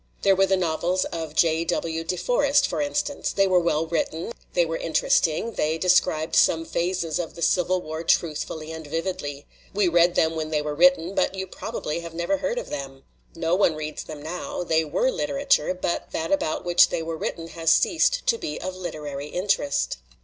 "There were the novels of J. W. De Forest, for instance. They were well written, they were in teresting, they described some phases of the Civil War truthfully and vividly. We read them when they were written but you probably have never heard of them. No one reads them now. They were literature, but that about which they were written has ceased to be of literary interest.